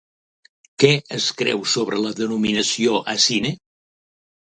Què es creu sobre la denominació Asine?